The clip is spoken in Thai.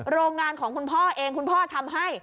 โรงงานของคุณพ่อเองคุณพ่อทำให้